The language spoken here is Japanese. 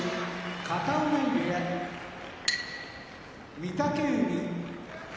片男波部屋御嶽海